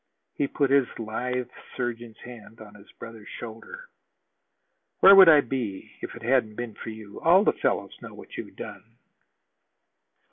He put his lithe surgeon's hand on his brother's shoulder. "Where would I be if it hadn't been for you? All the fellows know what you've done."